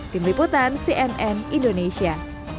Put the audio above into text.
tim liputan cnn indonesia